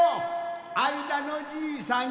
あいだのじいさん？